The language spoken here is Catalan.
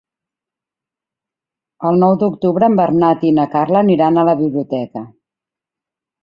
El nou d'octubre en Bernat i na Carla aniran a la biblioteca.